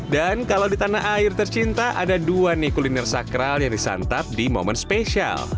dan kalau di tanah air tercinta ada dua nih kuliner sakral yang disantap di momen spesial